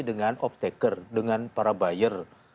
dengan opteker dengan para buyer